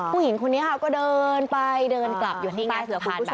ผู้หญิงคนนี้ค่ะก็เดินไปเดินกลับอยู่ที่ใต้สะพานแบบนี้